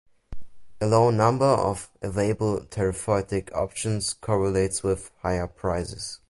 A lower number of available therapeutic options correlates with higher prices.